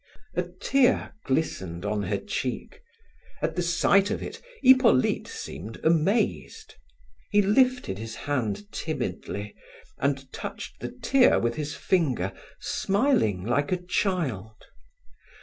A tear glistened on her cheek. At the sight of it Hippolyte seemed amazed. He lifted his hand timidly and, touched the tear with his finger, smiling like a child.